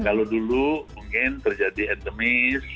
kalau dulu mungkin terjadi endemis